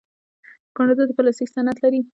کاناډا د پلاستیک صنعت لري.